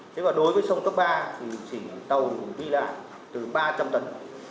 thế và đối với sông cấp ba thì chỉ tàu đi lại từ ba trăm linh tấn